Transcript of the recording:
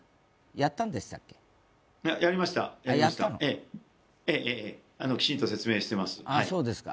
やってます、きちんと説明しています。